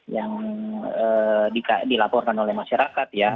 yang dilaporkan oleh masyarakat ya